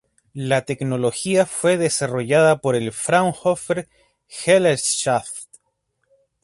La tecnología fue desarrollada por el Fraunhofer-Gesellschaft.